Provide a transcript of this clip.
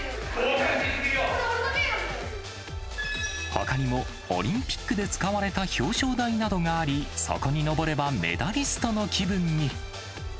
ほかにも、オリンピックで使われた表彰台などがあり、そこにのぼればメダリストの気分に。